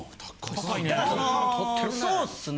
高いね。